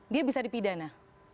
dia bisa dipidana